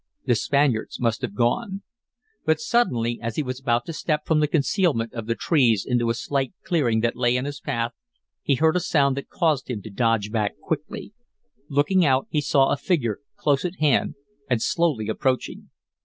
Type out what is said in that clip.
"The Spaniards must have gone." But suddenly, as he was about to step from the concealment of the trees into a slight clearing that lay in his path, he heard a sound that caused him to dodge quickly back. Looking out he saw a figure close at hand and slowly approaching.